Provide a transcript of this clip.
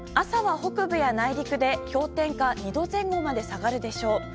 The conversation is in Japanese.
朝は北部や内陸で氷点下２度前後まで下がるでしょう。